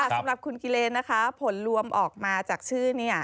สำหรับคุณกิเลนนะคะผลรวมออกมาจากชื่อเนี่ย